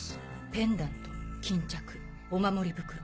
ペンダント巾着お守り袋。